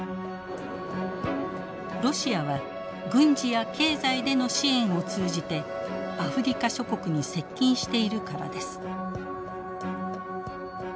ロシアは軍事や経済での支援を通じてアフリカ諸国に接近しているからです。